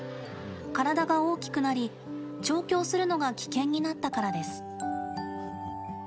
体が大きくなり調教するのが危険になったからです。